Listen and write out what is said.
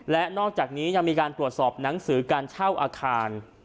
และนอกจากนี้ยังมีการตรวจสอบหนังสือการเช่าอาคาร